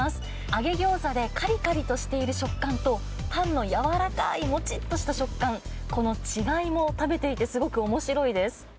揚げギョーザでかりかりとしている食感と、パンの柔らかいもちっとした食感、この違いも食べていてすごくおもしろいです。